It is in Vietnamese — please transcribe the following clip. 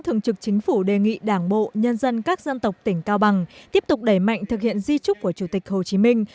thường trực chính phủ đề nghị đảng bộ nhân dân các dân tộc tỉnh cao bằng tiếp tục đẩy mạnh thực hiện di trúc của chủ tịch hồ chí minh